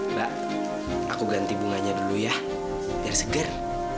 mbak aku ganti bunganya dulu ya biar segar